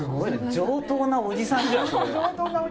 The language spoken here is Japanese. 上等なおじさんじゃんそれ。